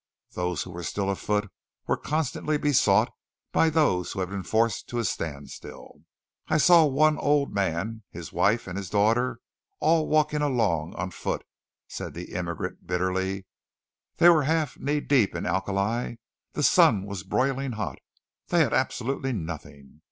Those who were still afoot were constantly besought by those who had been forced to a standstill. "I saw one old man, his wife and his daughter, all walking along on foot," said the immigrant bitterly. "They were half knee deep in alkali, the sun was broiling hot, they had absolutely nothing.